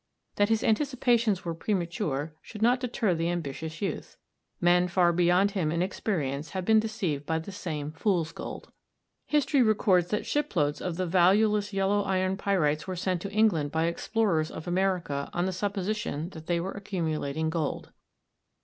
That his anticipations were premature should not deter the ambitious youth. Men far beyond him in experience have been deceived by that same "fool's gold." History records that shiploads of the valueless yellow iron pyrites were sent to England by explorers of America on the supposition that they were accumulating gold.